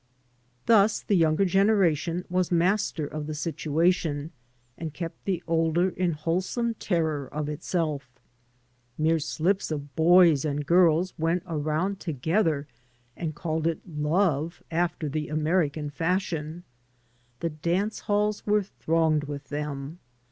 Thus the younger generation was master of the situation, and kept the older in wholesome terror of itself. Mere slips of boys and girls went around to gether and called it love after the American fashion. The dance halls were thronged with them.